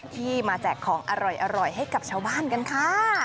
ที่มาแจกของอร่อยให้กับชาวบ้านกันค่ะ